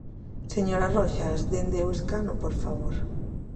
Señora Roxas, dende o escano, por favor.